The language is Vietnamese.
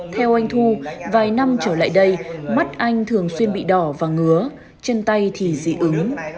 theo anh thu vài năm trở lại đây mắt anh thường xuyên bị đỏ và ngứa chân tay thì dị ứng